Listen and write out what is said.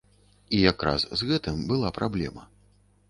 І якраз з гэтым была праблема.